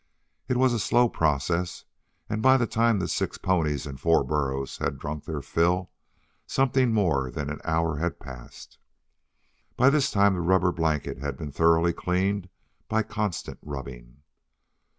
It was a slow process; and, by the time the six ponies and four burros had drunk their fill, something more than an hour had passed. By this time the rubber blanket had been thoroughly cleaned by constant rubbing.